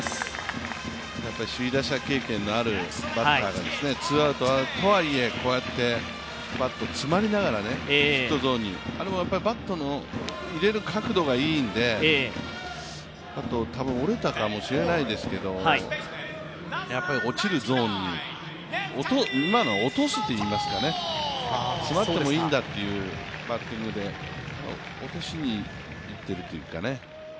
首位打者経験のあるバッターですから、ツーアウトとはいえこうやってバット詰まりながらヒットゾーンに、あれもバットの入れる角度がいいんで、あと多分、折れたかもしれないですけれども、落ちるゾーンに、今のは落とすといいますか、詰まってもいいんだというバッティングで落としにいってるというかね。